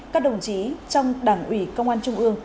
các đồng chí trong đảng ủy công an trung ương